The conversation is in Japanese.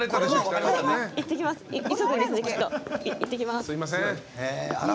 行ってきます。